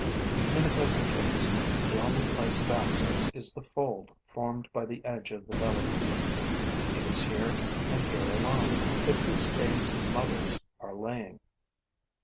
In the present case, the only place of access is the fold formed by the edge of the belly. It is here and here alone that this day's mothers are laying.